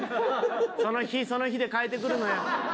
その日その日で変えてくるのよ。